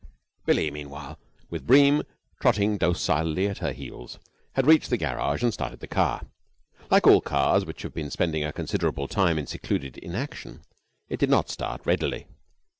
5 Billie, meanwhile, with Bream trotting docilely at her heels, had reached the garage and started the car. Like all cars which have been spending a considerable time in secluded inaction, it did not start readily.